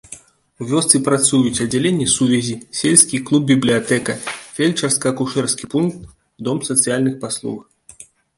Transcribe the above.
У вёсцы працуюць аддзяленне сувязі, сельскі клуб-бібліятэка, фельчарска-акушэрскі пункт, дом сацыяльных паслуг.